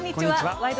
「ワイド！